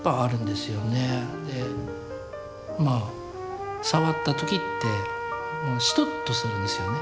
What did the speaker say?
でまあ触った時ってシトッとするんですよね